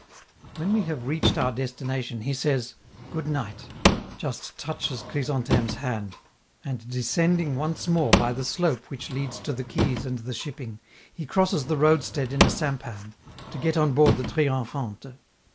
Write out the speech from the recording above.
When we have reached our destination he says "Goodnight," just touches Chrysantheme's hand, and descending once more by the slope which leads to the quays and the shipping, he crosses the roadstead in a sampan, to get on board the 'Triomphante.